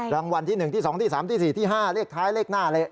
รางวัลที่๑ที่๒ที่๓ที่๔ที่๕เลขท้ายเลขหน้าเลย